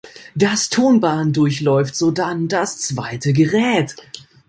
Das Tonband durchläuft sodann das zweite Gerät.